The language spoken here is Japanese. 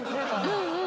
うんうん。